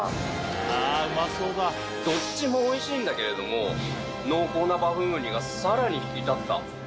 どっちもおいしいんだけれども濃厚なバフンウニがさらに引き立った。